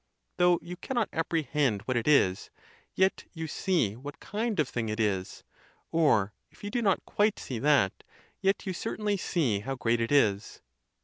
Though you cannot apprehend what it is, yet you see what kind of thing it is, or if you do not quite see that, yet you certainly see how great itis.